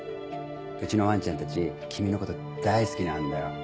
うちのわんちゃんたち君の事大好きなんだよ。